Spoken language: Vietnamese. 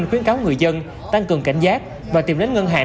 khuyến cáo người dân tăng cường cảnh giác và tìm đến ngân hàng